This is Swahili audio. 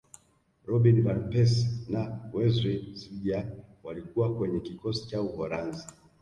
robin van persie na wesley snejder walikuwa kwenye kikosi cha uholanzi